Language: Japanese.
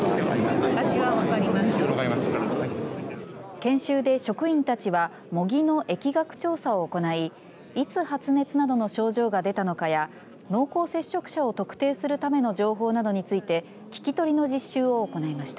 研修で職員たちは模擬の疫学調査を行いいつ発熱などの症状が出たのかや濃厚接触者を特定するための情報などについて聞き取りの実習を行いました。